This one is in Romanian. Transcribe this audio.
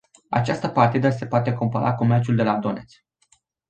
Această partidă se poate compara cu meciul de la Donețk.